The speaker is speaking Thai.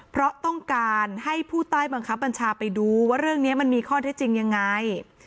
เพราะต้องการให้ผู้ใต้บังคับบัญชาไปดูว่าเรื่องนี้มันมีข้อเท็จจริงยังไง